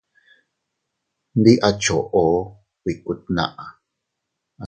Ndi a choʼo bikku tnaʼa.